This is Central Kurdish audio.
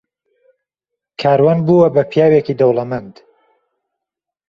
کاروان بووە بە پیاوێکی دەوڵەمەند.